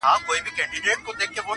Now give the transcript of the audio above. زما د غرونو د ښايست له غمه هر سوداګر